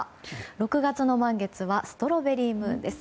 ６月の満月はストロベリームーンです。